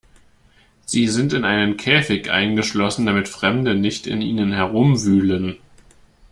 Sie sind in einen Käfig eingeschlossen, damit Fremde nicht in ihnen herumwühlen.